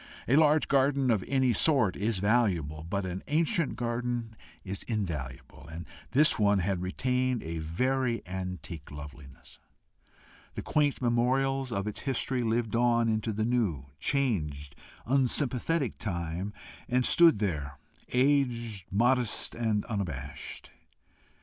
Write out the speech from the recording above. A large garden of any sort is valuable, but an ancient garden is invaluable, and this one had retained a very antique loveliness. The quaint memorials of its history lived on into the new, changed, unsympathetic time, and stood there, aged, modest, and unabashed.